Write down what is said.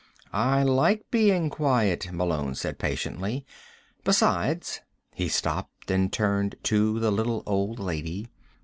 "I like being quiet," Malone said patiently. "Besides " He stopped and turned to the little old lady.